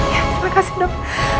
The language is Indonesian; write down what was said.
ya terima kasih dok